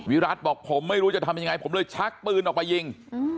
วิรัติบอกผมไม่รู้จะทำยังไงผมเลยชักปืนออกมายิง